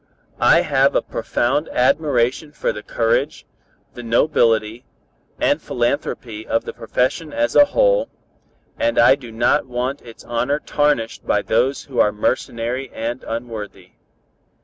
"I have a profound admiration for the courage, the nobility and philanthropy of the profession as a whole, and I do not want its honor tarnished by those who are mercenary and unworthy.